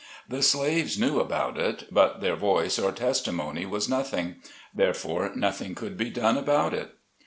The slaves knew about it, but their voice or testimony was nothing; therefore, nothing could be done about it.